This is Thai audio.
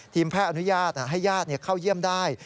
แพทย์อนุญาตให้ญาติเข้าเยี่ยมได้